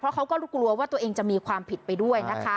เขาก็กลัวว่าตัวเองจะมีความผิดไปด้วยนะคะ